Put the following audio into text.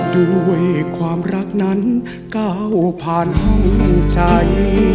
ด้วยความรักนั้นก้าวผ่านห้องใจ